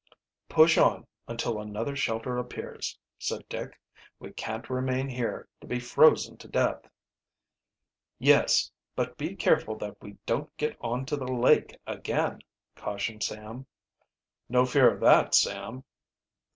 "Push on until another shelter appears," said Dick. "We can't remain here, to be frozen to death." "Yes, but be careful that we don't get on to the lake again," cautioned Sam. "No fear of that, Sam."